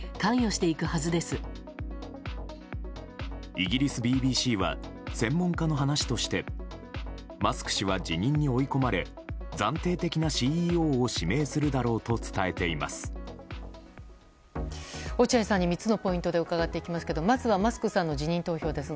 イギリスＢＢＣは専門家の話としてマスク氏は辞任に追い込まれ暫定的なＣＥＯを指名するだろうと伝えています。